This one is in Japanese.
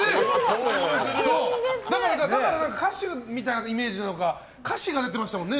歌手みたいなイメージなのか歌詞が出てましたもんね。